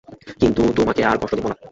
কিন্তু তোমাকে আর কষ্ট দেবো না।